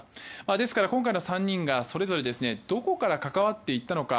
ですから、今回の３人がそれぞれどこから関わっていったのか。